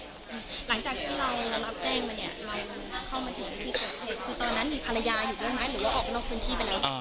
หลังจากที่เรารับแจ้งมาเนี่ยเข้ามาถึงที่เขา